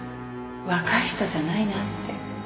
若い人じゃないなって。